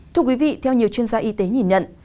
thưa quý vị theo nhiều chuyên gia y tế nhìn nhận